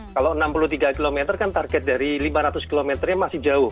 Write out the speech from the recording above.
kalau enam puluh tiga km kan target dari lima ratus km nya masih jauh